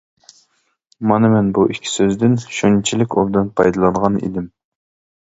مانا مەن بۇ ئىككى سۆزدىن شۇنچىلىك ئوبدان پايدىلانغان ئىدىم.